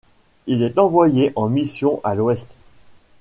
Il est envoyé en mission à l’Ouest.